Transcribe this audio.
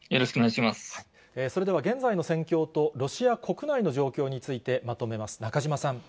それでは、現在の戦況とロシア国内の状況について、まとめます。